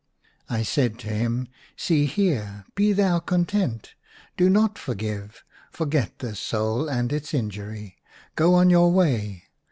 " I said to him, * See here, be thou content ; do noi forgive : forget this soul and its injury ; go on your way.